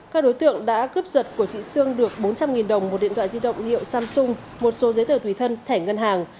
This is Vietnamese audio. các đối tượng đã cướp giật của chị sương được bốn trăm linh đồng một điện thoại di động hiệu samsung một số giấy tờ tùy thân thẻ ngân hàng